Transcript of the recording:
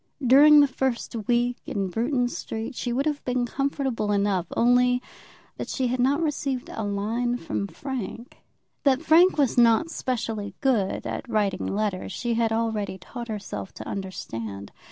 During the first week in Bruton Street she would have been comfortable enough, only that she had not received a line from Frank. That Frank was not specially good at writing letters she had already taught herself to understand.